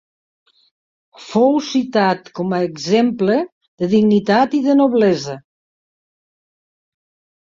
Fou citat com a exemple de dignitat i de noblesa.